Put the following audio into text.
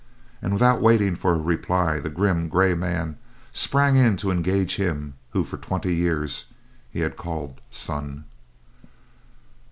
And, without waiting for a reply, the grim, gray man sprang in to engage him whom for twenty years he had called son.